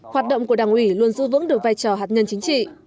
hoạt động của đảng ủy luôn giữ vững được vai trò hạt nhân chính trị